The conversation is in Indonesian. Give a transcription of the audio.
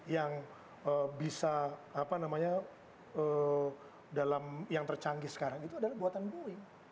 yang bisa apa namanya dalam yang tercanggih sekarang itu adalah buatan boeing